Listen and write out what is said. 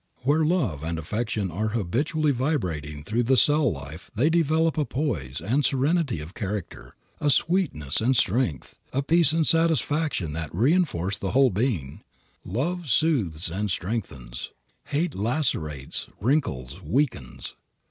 Where love and affection are habitually vibrating through the cell life they develop a poise and serenity of character, a sweetness and strength, a peace and satisfaction that reënforce the whole being. Love soothes and strengthens. Hate lacerates, wrinkles, weakens.